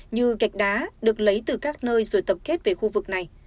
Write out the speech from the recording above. như gạch đá được lấy từ các nơi rồi tập kết về khu vực này